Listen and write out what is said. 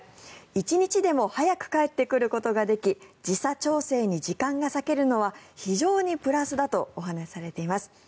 一日でも早く帰ってくることができ時差調整に時間が割けるのは非常にプラスだとお話しされています。